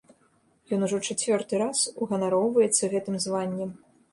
Ён ужо чацвёрты раз уганароўваецца гэтым званнем.